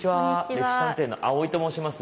「歴史探偵」の青井と申します。